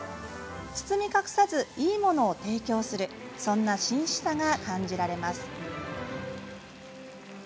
包み隠さず、いいものを提供するそんな真摯さが感じられます。